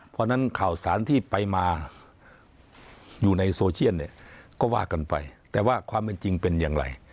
เพราะฉะนั้นข่าวสารที่ไปมาอยู่ในโซเชียลเนี่ยก็ว่ากันไปแต่ว่าความเป็นจริงเป็นอย่างไร